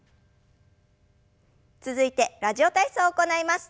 続いて「ラジオ体操」を行います。